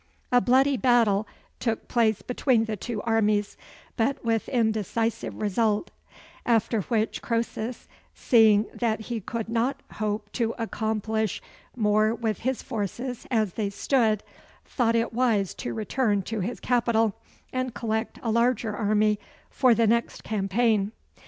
A bloody battle took place between the two armies, but with indecisive result: after which Croesus, seeing that he could not hope to accomplish more with his forces as they stood, thought it wise to return to his capital, and collect a larger army for the next campaign.